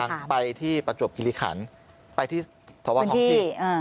จะเดินทางไปที่ประจวบกิริษภัณฑ์ไปที่ทำวันที่กิริก